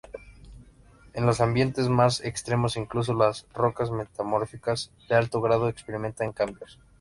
En los ambientes más extremos, incluso las rocas metamórficas de alto grado experimentan cambios.